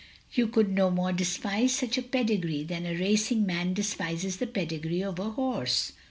You cotild no more despise such a pedigree than a racing man despises the pedigree of a horse.